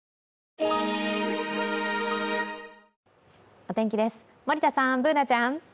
お天気です、森田さん、Ｂｏｏｎａちゃん。